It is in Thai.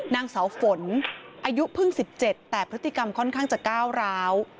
นางเสาฝนอายุเพิ่ง๑๗แต่พฤติกรรมค่อนข้างจะก้าวร้าว